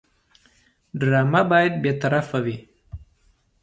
ډرامه باید بېطرفه وي